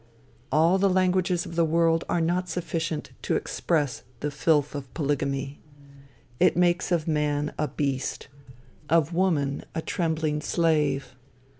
All the languages of the world are not sufficient to express the filth of polygamy. It makes of man, a beast, of woman, a trembling slave.